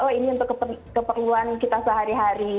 oh ini untuk keperluan kita sehari hari